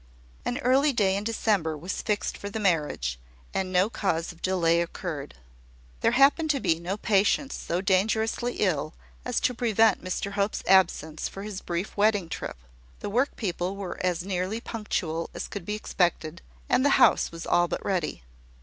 An early day in December was fixed for the marriage, and no cause of delay occurred. There happened to be no patients so dangerously ill as to prevent Mr Hope's absence for his brief wedding trip; the work people were as nearly punctual as could be expected, and the house was all but ready.